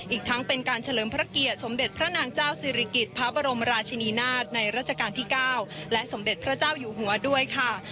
อีกทั้งเป็นการเฉลิมพระเกียรติสมเด็จพระนางเจ้าศิริกิจพระบรมราชินีนาฏในราชการที่๙และสมเด็จพระเจ้าอยู่หัวด้วยค่ะ